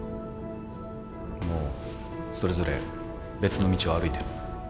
もうそれぞれ別の道を歩いてる。